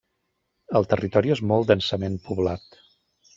El territori és molt densament poblat.